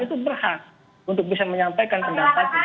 itu berhak untuk bisa menyampaikan pendapatnya